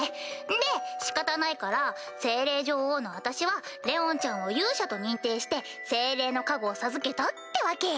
で仕方ないから精霊女王の私はレオンちゃんを勇者と認定して精霊の加護を授けたってわけ。